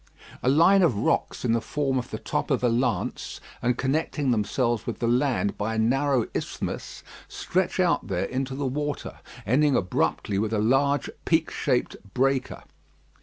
A line of rocks in the form of the top of a lance, and connecting themselves with the land by a narrow isthmus, stretch out there into the water, ending abruptly with a large peak shaped breaker.